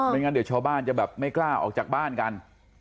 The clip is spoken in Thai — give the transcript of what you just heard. งั้นเดี๋ยวชาวบ้านจะแบบไม่กล้าออกจากบ้านกัน